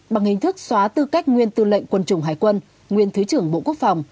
bằng hình thức xóa tư cách nguyên tư lệnh quân chủng hải quân nguyên thứ trưởng bộ quốc phòng